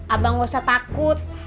abang gak usah takut